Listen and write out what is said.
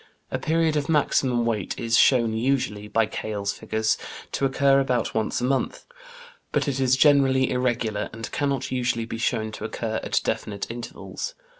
A period of maximum weight is shown usually, by Keill's figures, to occur about once a month, but it is generally irregular, and cannot usually be shown to occur at definite intervals.